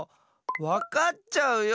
わかっちゃうよ！